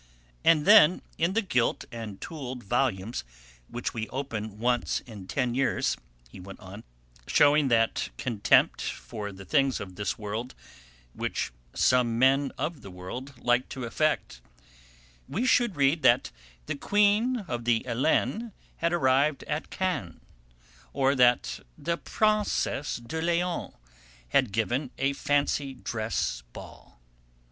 "And then, in the gilt and tooled volumes which we open once in ten years," he went on, shewing that contempt for the things of this world which some men of the world like to affect, "we should read that the Queen of the Hellenes had arrived at Cannes, or that the Princesse de Léon had given a fancy dress ball.